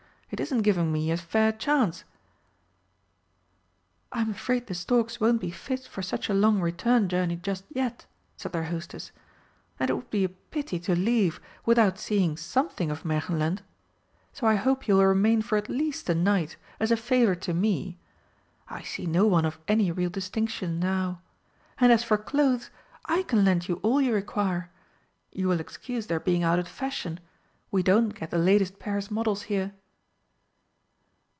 It isn't giving me a fair chance!" "I'm afraid the storks won't be fit for such a long return journey just yet," said their hostess; "and it would be a pity to leave without seeing something of Märchenland, so I hope you will remain for at least a night, as a favour to me. I see no one of any real distinction now! And as for clothes, I can lend you all you require. You will excuse their being out of the fashion we don't get the latest Paris models here."